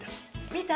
見た？